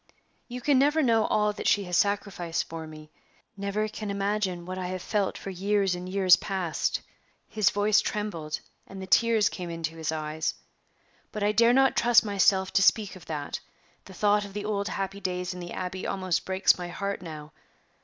"You never can know all that she has sacrificed for me never can imagine what I have felt for years and years past" his voice trembled, and the tears came into his eyes "but I dare not trust myself to speak of that; the thought of the old happy days in the Abbey almost breaks my heart now.